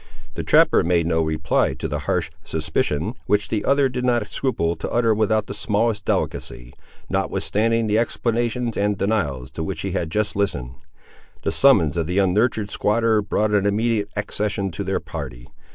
The trapper made no reply to the harsh suspicion which the other did not scruple to utter without the smallest delicacy, notwithstanding the explanations and denials to which he had just listened. The summons of the unnurtured squatter brought an immediate accession to their party.